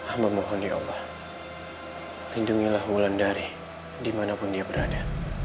amal mohon ya allah lindungilah wulan dari dimanapun dia berada